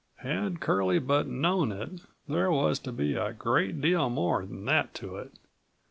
Had Curlie but known it, there was to be a great deal more than that to it.